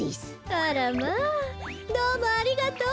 あらまあどうもありがとう。